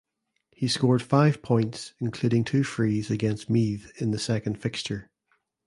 He scored five points (including two frees) against Meath in the second fixture.